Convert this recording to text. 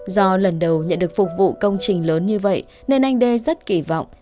do lần đầu nhận được phục vụ công trình lớn như vậy nên anh đê rất kỳ vọng